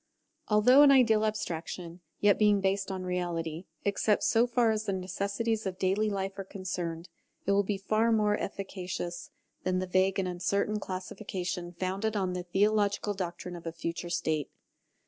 Although an ideal abstraction, yet being based on reality, except so far as the necessities of daily life are concerned, it will be far more efficacious than the vague and uncertain classification founded on the theological doctrine of a future state.